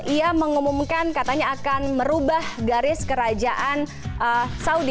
ia mengumumkan katanya akan merubah garis kerajaan saudi